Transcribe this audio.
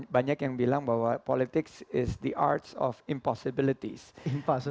banyak yang bilang bahwa politik adalah kunci kemungkinan